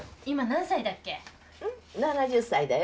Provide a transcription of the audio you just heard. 今何歳だっけ？